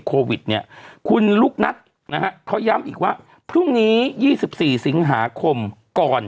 โควิดเนี่ยคุณลูกนัทนะฮะเขาย้ำอีกว่าพรุ่งนี้๒๔สิงหาคมก่อน